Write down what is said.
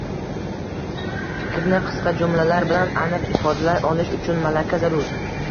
Fikrni qisqa jumlalar bilan aniq ifodalay olish uchun malaka zarur.